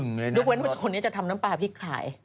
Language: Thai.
ยกเว้นว่าคนนี้จะทำน้ำปลาพริกขาย